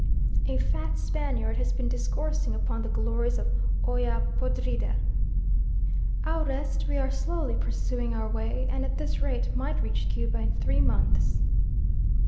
A fat Spaniard has been discoursing upon the glories of olla podrida. Au reste, we are slowly pursuing our way, and at this rate might reach Cuba in three months.